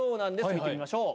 見てみましょう。